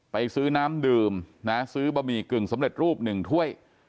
ไปซื้อน้ำดื่มนะซื้อบะหมี่กึ่งสำเร็จรูป๑ถ้วย